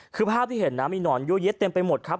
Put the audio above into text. คือภาพที่เห็นน้ำมีหนอนเยาะเยียะเต็มไปหมดครับ